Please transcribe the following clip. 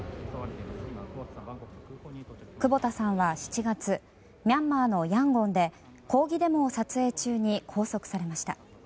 久保田さんは７月ミャンマーのヤンゴンで抗議デモを撮影中に拘束されました。